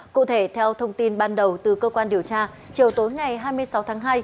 cụ thể theo thông tin ban đầu từ cơ quan điều tra chiều tối ngày hai mươi sáu tháng hai